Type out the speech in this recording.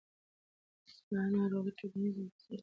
دا ناروغي ټولنیز اغېز لري.